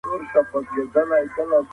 احمد شاه بابا د مشرۍ په اړه څه وویل؟